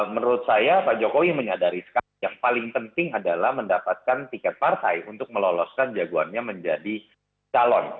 menurut saya pak jokowi menyadari sekali yang paling penting adalah mendapatkan tiket partai untuk meloloskan jagoannya menjadi calon